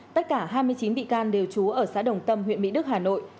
tất cả hai mươi chín bị can đều trú ở xã đồng tâm huyện mỹ đức hà nội